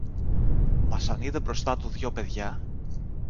Μα σαν είδε μπροστά του δυο παιδιά